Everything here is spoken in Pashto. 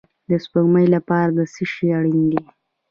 د سپوږمۍ لپاره څه شی اړین دی؟